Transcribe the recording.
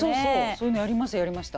そういうのやりましたやりました。